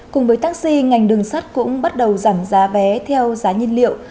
cùng với taxi ngành đường sắt cũng bắt đầu giảm giá vé theo giá nhiên liệu